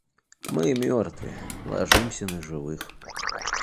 — Мы мертвые, ложимся на живых.